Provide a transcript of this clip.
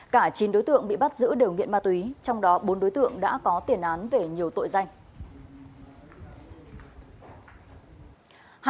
cả chín đối tượng bị bắt giữ đều nghiện ma túy trong đó bốn đối tượng đã có tiền án về nhiều tội danh